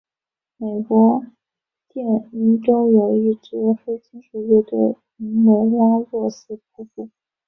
美国缅因洲有一支黑金属乐队名为拉洛斯瀑布。